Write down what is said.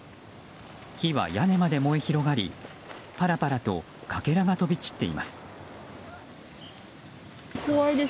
火は屋根まで燃え広がりパラパラとかけらが飛び散っています。